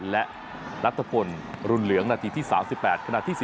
และรัฐกลรุนเหลืองนะที่ที่๓๘